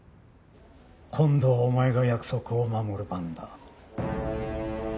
今度はお前が約束を守る番だ。